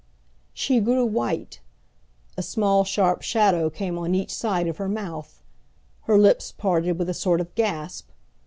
She grew white. A small sharp shadow came on each side of her mouth. Her lips parted with a sort of gasp.